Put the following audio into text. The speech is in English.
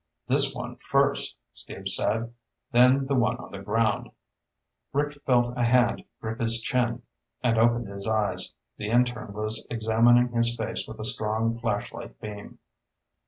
"This one first," Steve said. "Then the one on the ground." Rick felt a hand grip his chin and opened his eyes. The intern was examining his face with a strong flashlight beam.